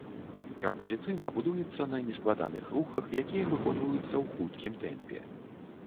Кампазіцыйна будуецца на нескладаных рухах, якія выконваюцца ў хуткім тэмпе.